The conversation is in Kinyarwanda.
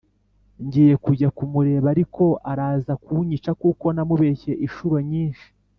ngiye kujya kumureba ariko araza kunyica kuko namubeshye ishuro nyishi